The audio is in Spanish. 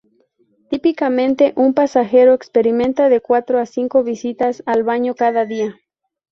Típicamente, un pasajero experimenta de cuatro a cinco visitas al baño cada día.